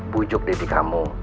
bujuk deddy kamu